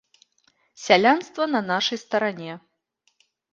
Сялянства на нашай старане.